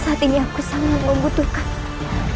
saat ini aku sangat membutuhkan